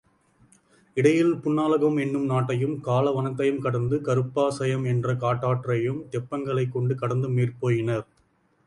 இடையில் புன்னாளகம் என்னும் நாட்டையும், காள வனத்தையும் கடந்து கருப்பாசயம் என்ற காட்டாற்றையும் தெப்பங்களைக் கொண்டு கடந்து மேற்போயினர்.